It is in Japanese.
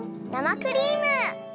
生クリーム！